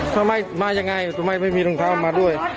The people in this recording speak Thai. ทำไมมายังไงทำไมไม่มีรองเท้ามาด้วย